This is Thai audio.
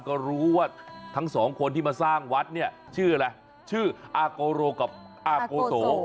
ก็รู้ว่าทั้งสองคนที่มาสร้างวัดเนี่ยชื่ออะไรชื่ออาโกโรกับอาโกโส